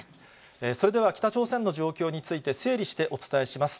それでは北朝鮮の状況について、整理してお伝えします。